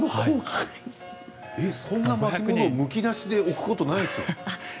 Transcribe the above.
そんなものをむき出しで置くことはないでしょう？